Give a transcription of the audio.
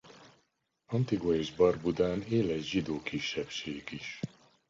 Antigua és Barbudán él egy zsidó kisebbség is.